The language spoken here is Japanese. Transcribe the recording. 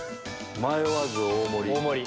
迷わず大盛り！